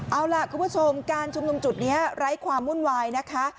เอาล่ะคุณผู้ชมการชุมนุมจุดนี้ไร้ความวุ่นวายนะคะ